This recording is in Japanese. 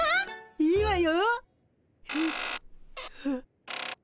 いいわよ。